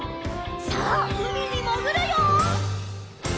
さあうみにもぐるよ！